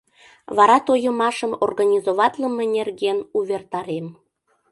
Вара тойымашым организоватлыме нерген увертарем.